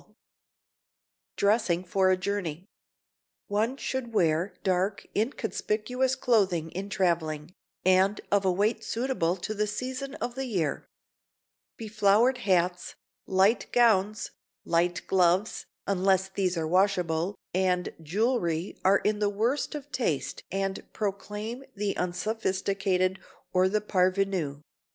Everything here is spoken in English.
[Sidenote: DRESSING FOR A JOURNEY] One should wear dark inconspicuous clothing in traveling, and of a weight suitable to the season of the year. Beflowered hats, light gowns, light gloves—unless these are washable—and jewelry are in the worst of taste and proclaim the unsophisticated or the parvenu.